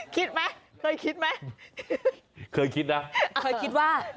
คิดไหมเคยคิดไหมเคยคิดนะเคยคิดว่า